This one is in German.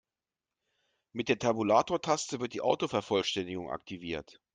Mit der Tabulatortaste wird die Autovervollständigung aktiviert.